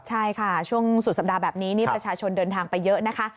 ใช่ค่ะช่วงสุดสัปดาห์แบบนี้นี่ประชาชนเดินทางไปเยอะนะคะ